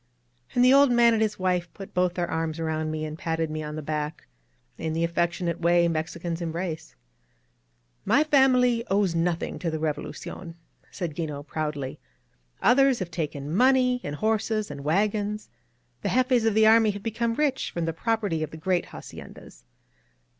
And the old man and his wife put both their arms around me and patted me on the back, in the affectionate way Mexicans em brace. ^^My family owes nothing to the Revolucion," said '6ino, proudly. ^^Others have taken money and horses and wagons. The jefes of the army have become rich from the property of the great haciendas.